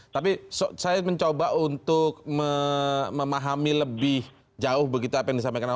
tapi saya mencoba untuk memahami lebih jauh begitu apa yang disampaikan